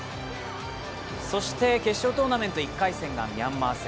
決勝トーナメント１回戦がミャンマー戦。